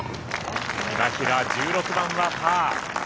今平、１６番はパー。